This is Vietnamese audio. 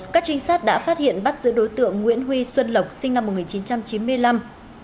các trinh sát đã phát hiện bắt giữ đối tượng nguyễn huy xuân lộc sinh năm một nghìn chín trăm chín mươi năm